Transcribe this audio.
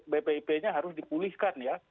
bpip nya harus dipulihkan ya